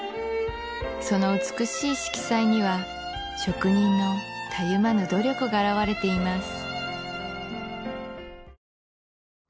その美しい色彩には職人のたゆまぬ努力が表れています